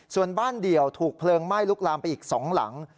ส่วนบ้านเดี่ยวถูกเพลิงไหม้ลุกลามไปอีก๒หลัง